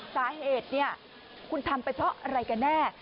สาเหตุเนี่ยคุณทำไปเพราะอะไรกันแน่